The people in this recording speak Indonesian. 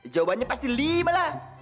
jawabannya pasti lima lah